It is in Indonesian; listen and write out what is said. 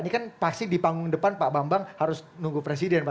ini kan pasti di panggung depan pak bambang harus nunggu presiden pak